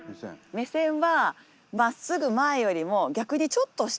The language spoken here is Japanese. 目線はまっすぐ前よりも逆にちょっと下。